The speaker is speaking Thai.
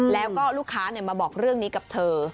แล้วก็ลูกค้ามาบอกเรื่องนี้กับเธอ